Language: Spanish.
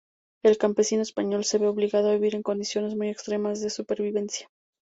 El campesino español se ve obligado a vivir en condiciones muy extremas de supervivencia.